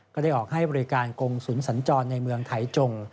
ก็ได้ออกให้บริการกงศูนย์สัญจรในเมืองไทยจง